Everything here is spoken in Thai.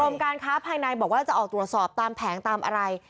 การค้าภายในบอกว่าจะออกตรวจสอบตามแผงตามอะไร